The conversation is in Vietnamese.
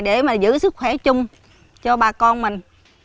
để mà giữ sức khỏe chung cho bà con mình